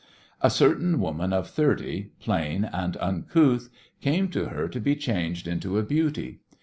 A certain woman of thirty, plain and uncouth, came to her to be changed into a beauty.